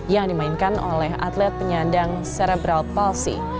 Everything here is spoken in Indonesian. yang dimainkan oleh atlet penyandang cerebral palsi